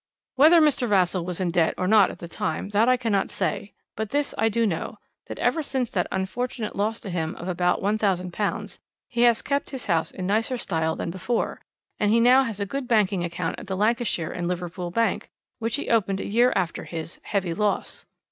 Whether Mr. Vassall was in debt or not at the time, that I cannot say, but this I do know, that ever since that unfortunate loss to him of about £1000 he has kept his house in nicer style than before, and he now has a good banking account at the Lancashire and Liverpool bank, which he opened a year after his 'heavy loss.'"